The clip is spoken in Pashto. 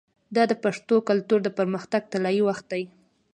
دا د پښتو کلتور د پرمختګ طلایی وخت دی.